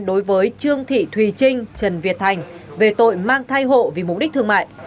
đối với trương thị thùy trinh trần việt thành về tội mang thai hộ vì mục đích thương mại